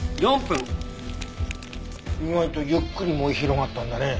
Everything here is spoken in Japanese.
意外とゆっくり燃え広がったんだね。